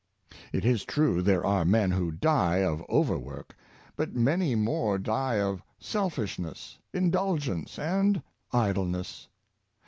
It is true there are men who die of overwork; but many more die of selfishness, indulgence, and idleness.